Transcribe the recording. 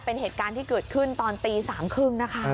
เป็นเหตุการณ์ที่เกิดขึ้นตอนตี๓๓๐นะคะ